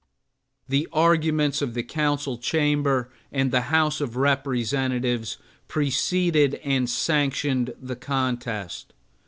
The arguments of the Council Chamber and the House of Representatives preceded and sanctioned the contest.